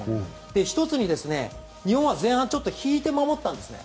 １つに、日本は前半引いて守ったんですね。